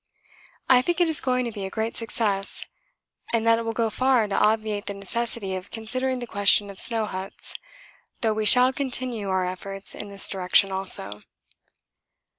I think it is going to be a great success, and that it will go far to obviate the necessity of considering the question of snow huts though we shall continue our efforts in this direction also.